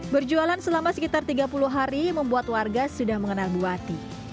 berjualan selama sekitar tiga puluh hari membuat warga sudah mengenal buati